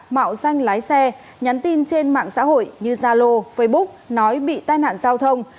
mạo danh lái xe nhắn tin trên mạng xã hội như zalo facebook nói bị tai nạn giao thông